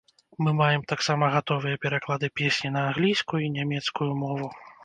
Мы маем таксама гатовыя пераклады песні на англійскую і нямецкую мову.